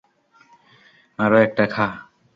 আরো একটা খা।